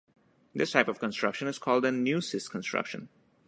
This type of construction is called a neusis construction.